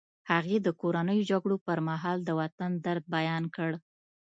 هغې د کورنیو جګړو پر مهال د وطن درد بیان کړ